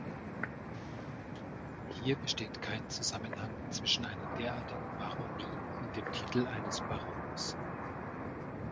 Hier besteht kein Zusammenhang zwischen einer derartigen Baronie und dem Titel eines Barons.